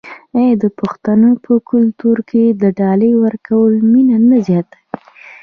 آیا د پښتنو په کلتور کې د ډالۍ ورکول مینه نه زیاتوي؟